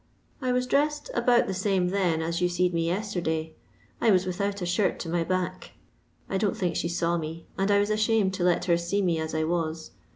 I was dressed about the same then as you seed me yester day. I was without a shirt to my back. I don't think she saw me, and I was ashamed to let her see me as I waa.